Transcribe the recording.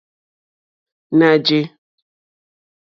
Ná jè.